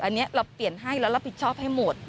อันนี้เราเปลี่ยนให้แล้วรับผิดชอบให้หมด